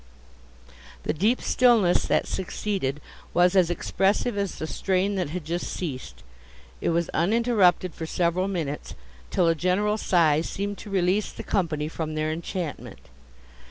The deep stillness, that succeeded, was as expressive as the strain that had just ceased. It was uninterrupted for several minutes, till a general sigh seemed to release the company from their enchantment.